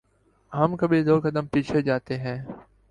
ہم کبھی دو قدم پیچھے جاتے تھے۔